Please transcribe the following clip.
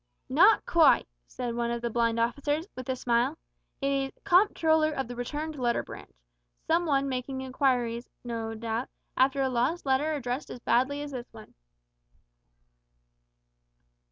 "Not quite," said one of the blind officers, with a smile. "It is Comptroller of the Returned Letter Branch. Some one making inquiries, no doubt, after a lost letter addressed as badly as this one."